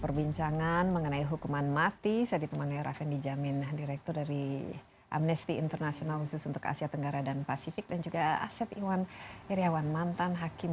pembahasan mengenai hukuman mati masih akan kita lanjutkan sesaat lagi